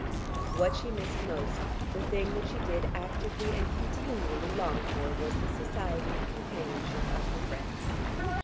What she missed most, the thing that she did actively and continually long for was the society and companionship of her friends.